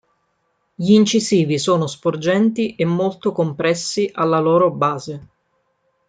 Gli incisivi sono sporgenti e molto compressi alla loro base.